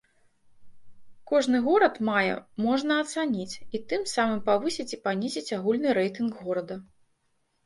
Кожны горад мае можна ацаніць і тым самым павысіць і панізіць агульны рэйтынг горада.